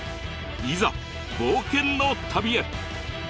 いざ冒険の旅へ！